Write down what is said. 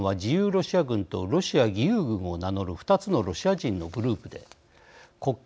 ロシア軍とロシア義勇軍を名乗る２つのロシア人のグループで国境の検問所を突破。